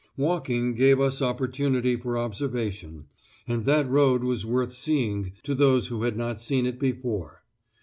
Walking gave us opportunity for observation; and that road was worth seeing to those who had not seen it before.